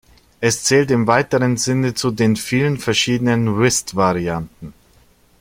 Es zählt im weiteren Sinne zu den vielen verschieden Whist-Varianten.